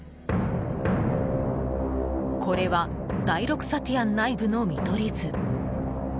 これは第６サティアン内部の見取り図。